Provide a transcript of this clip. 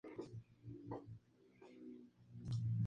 Un concurso a nivel nacional en Colombia, sobre poesía, lleva su nombre.